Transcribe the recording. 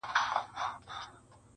کارخانې پکښی بنا د علم و فن شي!.